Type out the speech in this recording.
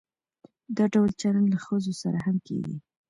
دا ډول چلند له ښځو سره هم کیږي.